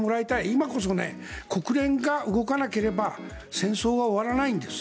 今こそ、国連が動かなければ戦争は終わらないんです。